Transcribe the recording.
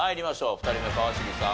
２人目川尻さん